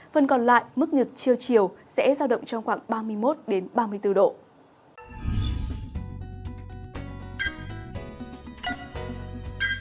phần còn lại mức nhiệt chiều chiều sẽ sao động trong khu vực